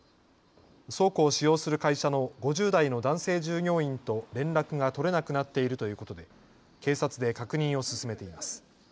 倉庫を使用する会社の５０代の男性従業員と連絡が取れなくなっているということで警察で確認を進めています。